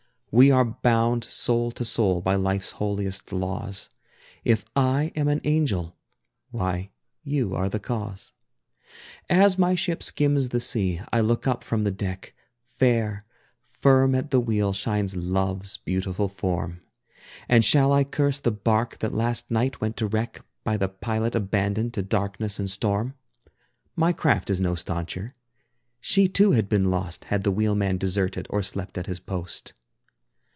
We are bound soul to soul by life's holiest laws; If I am an angel why you are the cause. As my ship skims the sea, I look up from the deck, Fair, firm at the wheel shines Love's beautiful form, And shall I curse the barque that last night went to wreck, By the Pilot abandoned to darkness and storm? My craft is no stauncher, she too had been lost Had the wheelman deserted, or slept at his post.